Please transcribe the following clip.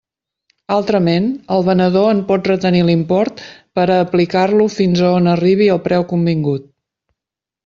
Altrament, el venedor en pot retenir l'import per a aplicar-lo fins a on arribi el preu convingut.